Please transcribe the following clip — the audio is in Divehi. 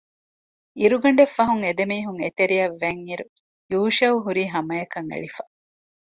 އިރުގަނޑެއް ފަހުން އެދެމީހުން އެތެރެއަށް ވަތްއިރު ޔޫޝައު ހުރީ ހަމައަކަށް އެޅިފަ